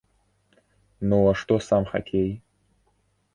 Ну, а што сам хакей?